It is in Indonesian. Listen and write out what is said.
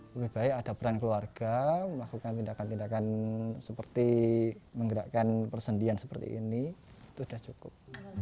lebih baik ada peran keluarga melakukan tindakan tindakan seperti menggerakkan persendian seperti ini itu sudah cukup